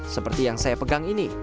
seperti yang saya pegang ini